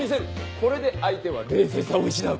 これで相手は冷静さを失う。